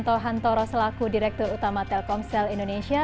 terima kasih pak anto hanto roslaku direktur utama telkomsel indonesia